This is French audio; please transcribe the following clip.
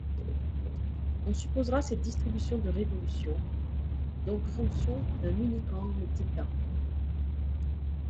On supposera cette distribution de révolution, donc fonction d'un unique angle θ.